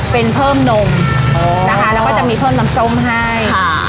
เป็นเพิ่มนมนะคะแล้วก็จะมีเพิ่มน้ำส้มให้ค่ะ